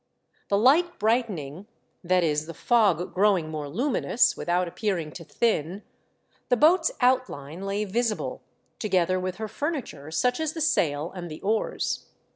The light brightening — that is the fog growing more luminous, without appearing to thin — the boat's outline lay visible, to gether with her furniture, such as the sail and the oars.